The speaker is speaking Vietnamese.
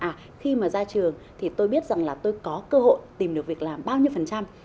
à khi mà ra trường thì tôi biết rằng là tôi có cơ hội tìm được việc làm bao nhiêu phần trăm